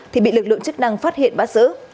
thì bị lực lượng chức năng phát hiện bắt giữ